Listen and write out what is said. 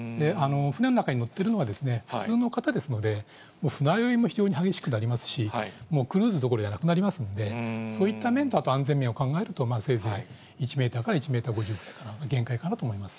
船の中に乗ってるのが普通の方ですので、船酔いも非常に激しくなりますし、もうクルーズどころじゃなくなりますので、そういった面と、安全面を考えると、せいぜい１メートルから１メートル５０が限界かなと思います。